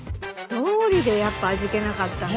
どうりでやっぱ味気なかったんだ。